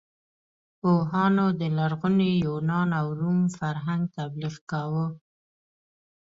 پوهانو د لرغوني یونان او روم فرهنګ تبلیغ کاوه.